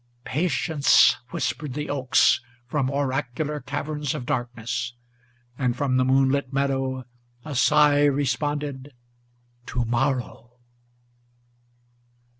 "Patience!" whispered the oaks from oracular caverns of darkness; And, from the moonlit meadow, a sigh responded, "To morrow!"